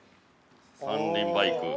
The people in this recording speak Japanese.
◆三輪バイク。